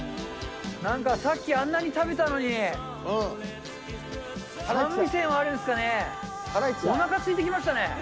なんかさっきあんなに食べたのに、寒いせいもあるんですかね、おなかすいてきましたね。